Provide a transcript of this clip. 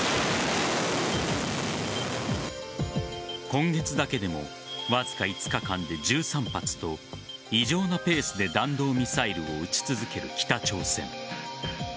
今月だけでもわずか５日間で１３発と異常なペースで弾道ミサイルを撃ち続ける北朝鮮。